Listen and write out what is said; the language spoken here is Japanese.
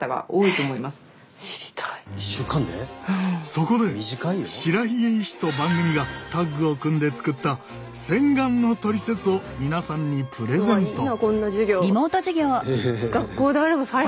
そこで白髭医師と番組がタッグを組んで作った洗顔のトリセツを皆さんにプレゼント！